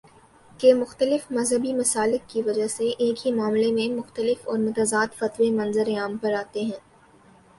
کہ مختلف مذہبی مسالک کی وجہ سے ایک ہی معاملے میں مختلف اور متضاد فتوے منظرِ عام پر آتے ہیں